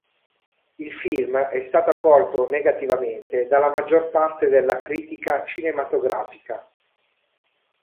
Il film è stato accolto negativamente dalla maggior parte della critica cinematografica.